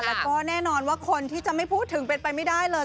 แล้วก็แน่นอนว่าคนที่จะไม่พูดถึงเป็นไปไม่ได้เลย